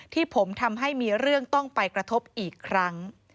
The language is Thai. ที่ผมทำให้มีเรื่องต้องไปกระทบอีกครั้ง